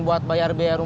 bukannya dari tadi